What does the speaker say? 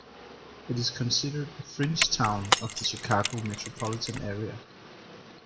It is considered a fringe town of the Chicago metropolitan area.